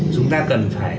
chúng ta cần phải